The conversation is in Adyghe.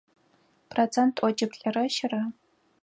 Процент тӏокӏиплӏрэ щырэ .